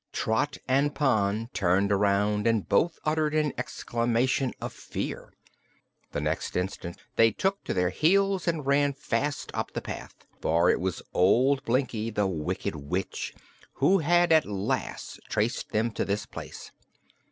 Trot and Pon turned around and both uttered an exclamation of fear. The next instant they took to their heels and ran fast up the path. For it was old Blinkie, the Wicked Witch, who had at last traced them to this place.